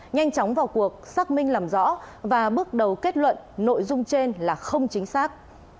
nhanh chóng vào cuộc xác minh làm rõ và bước đầu kết luận nội dung trên là không chính xác